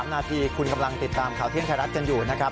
๓นาทีคุณกำลังติดตามข่าวเที่ยงไทยรัฐกันอยู่นะครับ